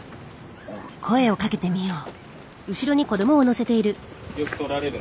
声をかけてみよう。